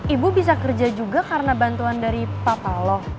ibu bisa kerja juga karena bantuan dari papa lo